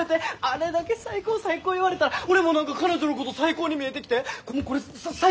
あれだけ最高最高言われたら俺も何か彼女のこと最高に見えてきてもうこれ最高同士？